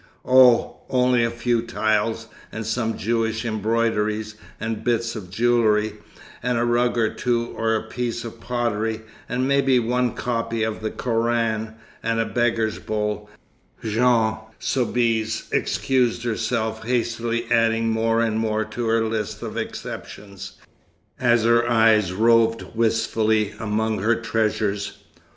"Oh, only a few tiles and some Jewish embroideries and bits of jewellery and a rug or two or a piece of pottery and maybe one copy of the Koran, and a beggar's bowl," Jeanne Soubise excused herself, hastily adding more and more to her list of exceptions, as her eyes roved wistfully among her treasures.